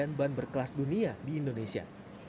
dan ban berkelas dunia di indonesia